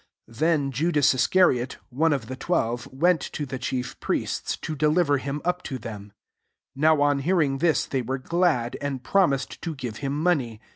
'* 10 Then ludas^ l8cariot,r one of the twelve, went to thechi^ priests^, to^ deliver him^ ttp to them. 11 Now on hearing this, they were glad,? and promised to give him money